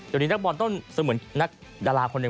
วันนี้ลักบอลต้นเหมือนนักดาราคนหนึ่ง